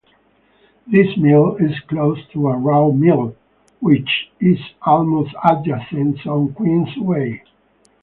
This mill is close to Arrow Mill, which is almost adjacent on Queensway.